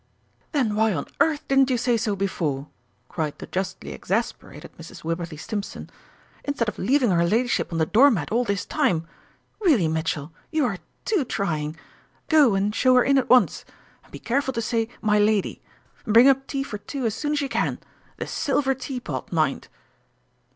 "Then why on earth didn't you say so before," cried the justly exasperated Mrs. Wibberley Stimpson, "instead of leaving her ladyship on the door mat all this time? Really, Mitchell, you are too trying! Go and show her in at once and be careful to say 'my lady.' And bring up tea for two as soon as you can the silver tea pot, mind!"